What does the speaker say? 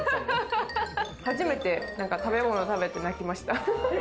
初めて食べ物を食べて泣きました。